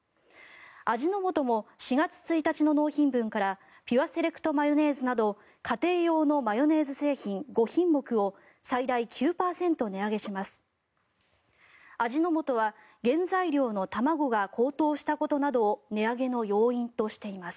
味の素も４月１日の納品分からピュアセレクトマヨネーズなど家庭用のマヨネーズ製品５品目を最大９％値上げします。